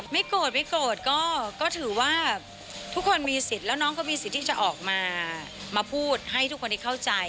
โกรธไม่โกรธก็ถือว่าทุกคนมีสิทธิ์แล้วน้องก็มีสิทธิ์ที่จะออกมาพูดให้ทุกคนได้เข้าใจ